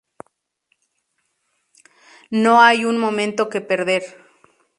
No hay un momento que perder.